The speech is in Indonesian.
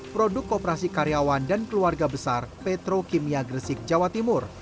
produk kooperasi karyawan dan keluarga besar petrokimia gresik jawa timur